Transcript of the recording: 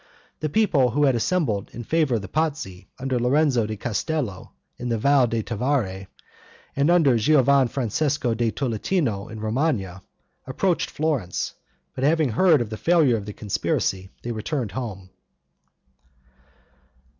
The people who had assembled in favor of the Pazzi under Lorenzo da Castello in the Val di Tavere, and under Giovan Francesco da Tolentino in Romagna, approached Florence, but having heard of the failure of the conspiracy, they returned home.